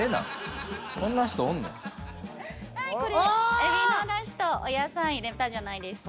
エビのおだしとお野菜入れたじゃないですか。